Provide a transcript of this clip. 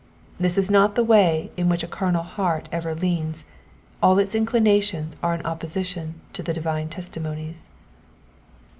This is not the way in which a carnal heart ever leans ; all its inclinations are in opposition to the divine testimonies.